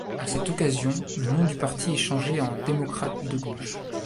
À cette occasion, le nom du parti est changé en Démocrates de gauche.